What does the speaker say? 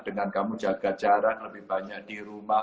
dengan kamu jaga jarak lebih banyak di rumah